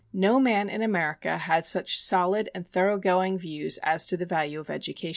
No man in America had such solid and thorough going views as to the value of education.